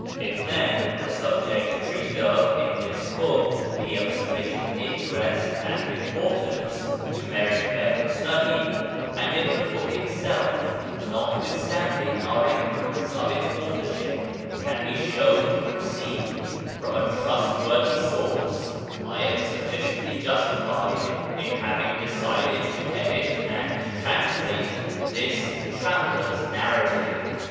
If, then, the subject treated of in this book be of sufficient interest and importance to merit careful study, and if the book itself, notwithstanding our ignorance of its authorship, can be shewn to proceed from a trustworthy source, I am sufficiently justified in having decided to edit and translate this "Traveller's Narrative."